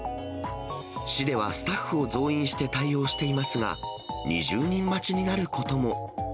市ではスタッフを増員して対応していますが、２０人待ちになることも。